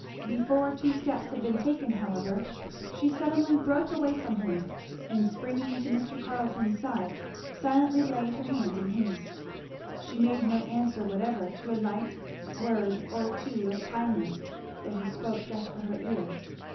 Before two steps had been taken however, she suddenly broke away from him and springing to Mr. Carleton's side silently laid her hand in his. She made no answer whatever to a ligit word or two of kindness that he spoke just for her ear.